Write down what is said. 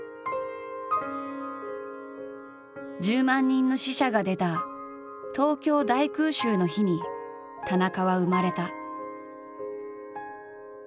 １０万人の死者が出た東京大空襲の日に田中は生まれた。